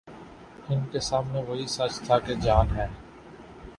ان کے سامنے وہی سچ تھا کہ جان ہے۔